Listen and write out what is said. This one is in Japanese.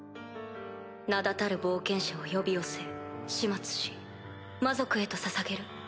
名だたる冒険者を呼び寄せ始末し魔族へとささげる。